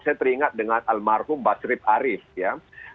saya teringat dengan almarhum basrip arief ya